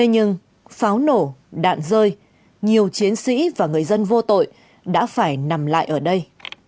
nhưng pháo nổ đạn rơi nhiều chiến sĩ và người dân vô tội đã phải nằm lại ở đây